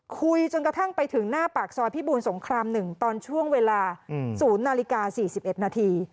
คุยจนกระทั่งไปถึงหน้าปากซอยพิบูรสงคราม๑ตอนช่วงเวลา๐นาฬิกา๔๑นาที